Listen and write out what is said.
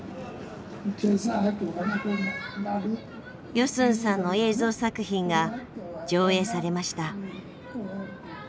ヨスンさんの映像作品が上映されました。